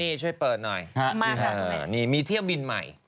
นี่ช่วยเปิดหน่อยนี่มีเที่ยวบินใหม่